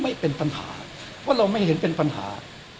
ไม่เป็นปัญหาเพราะเราไม่เห็นเป็นปัญหา